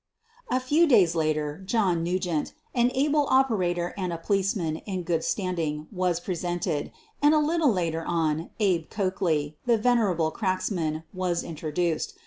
A few days later, John Nugent, an able operator and a policeman in good standing, was presented, and a little later on Abe Coakley, the venerable cracksman, was introduced.